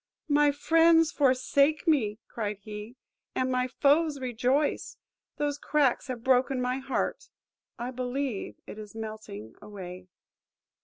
–"My friends forsake me," cried he, "and my foes rejoice! Those cracks have broken my heart! I believe it is melting away."